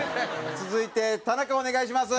続いて田中お願いします。